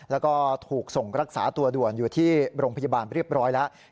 แล้วก็ถูกส่งรักษาตัวด่วนอยู่ที่โรงพยาบาลเรียบร้อยแล้ว